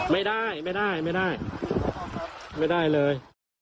ไม่ได้ไม่ได้ไม่ได้ไม่ได้เลย